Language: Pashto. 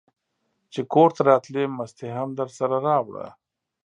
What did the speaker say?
چې کورته راتلې مستې هم درسره راوړه!